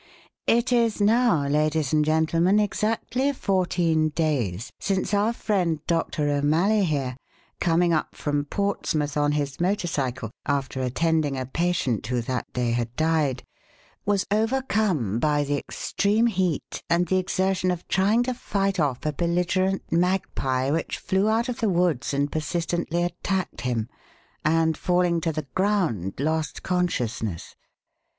It is now, ladies and gentlemen, exactly fourteen days since our friend Doctor O'Malley here, coming up from Portsmouth on his motorcycle after attending a patient who that day had died, was overcome by the extreme heat and the exertion of trying to fight off a belligerent magpie which flew out of the woods and persistently attacked him, and, falling to the ground, lost consciousness.